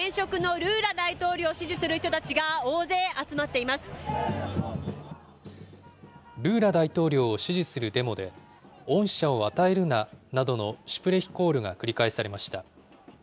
ルーラ大統領を支持するデモで、恩赦を与えるな！などのシュプレヒコールが繰り返されました。